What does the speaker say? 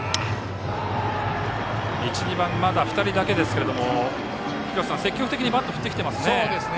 １、２番まだ２人だけですが積極的にバットを振ってきていますね。